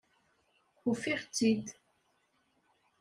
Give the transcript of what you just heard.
Ufiɣ-tt-id.